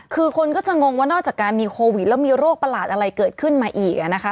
คือคนก็จะงงว่านอกจากการมีโควิดแล้วมีโรคประหลาดอะไรเกิดขึ้นมาอีกนะคะ